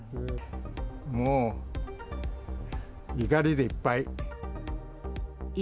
もう、怒りでいっぱい。